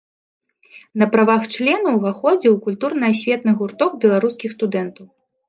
На правах члена ўваходзіў у культурна-асветны гурток беларускіх студэнтаў.